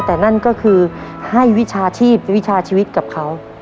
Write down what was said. แต่นั่นก็คือให้วิชาชีพวิชาชีวิตกับเขา